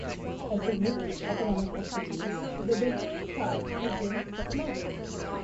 A significant economic activity of the Bedouin tribes has been smuggling.